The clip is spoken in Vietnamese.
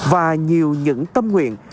và nhiều những tâm nguyện